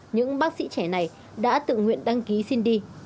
những bác sĩ trẻ này đã tự nguyện đăng ký xin đi